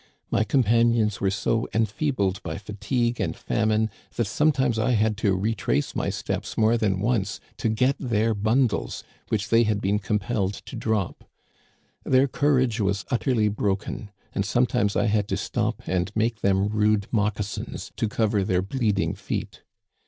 My companions were so enfeebled by fatigue and famine that sometimes I had to retrace my steps more than once to get their bundles, which they had been compelled to drop. Their courage was utterly Digitized by VjOOQIC THE SHIPWRECK OF THE AUGUSTE. 221 broken ; and sometimes I had to stop and make them rude moccasins to cover their bleeding feet.